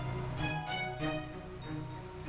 aku suka lagi ya